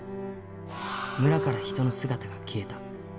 村から人の姿が消えた。